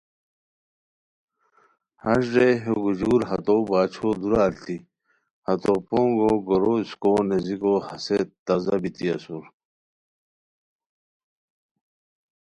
ہݰ رے ہے گوجور ہتو باچھو دورا التی ہتو پونگو گورو اسکوؤ نیزیکو ہسے تازہ بیتی اسور